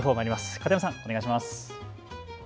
片山さん、お願いします。